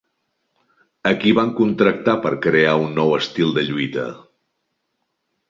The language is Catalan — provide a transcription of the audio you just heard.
A qui van contractar per crear un nou estil de lluita?